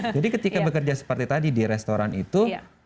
jadi ketika bekerja seperti tadi di restoran itu